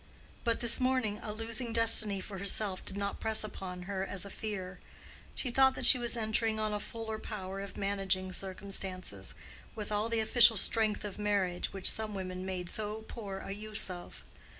But this morning a losing destiny for herself did not press upon her as a fear: she thought that she was entering on a fuller power of managing circumstances—with all the official strength of marriage, which some women made so poor a use of.